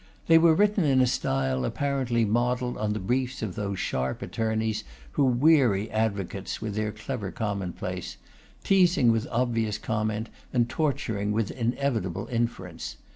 They were written in a style apparently modelled on the briefs of those sharp attorneys who weary advocates with their clever commonplace; teasing with obvious comment, and torturing with inevitable inference.